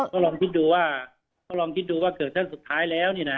ก็ลองคิดดูว่าเกิดท่านสุดท้ายแล้ว